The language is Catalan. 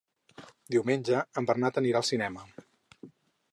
Diumenge en Bernat anirà al cinema.